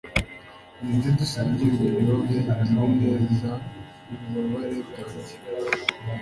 ninde, dusangiye uburyohe, ibinezeza, ububabare bwanjye